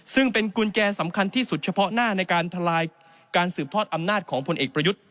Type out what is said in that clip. ซึ่งเป็นกุญแจสำคัญที่สุดเฉพาะหน้าในการทลายการสืบทอดอำนาจของพลเอกประยุทธ์